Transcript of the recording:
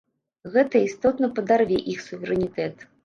Гэта істотна падарве іх суверэнітэт.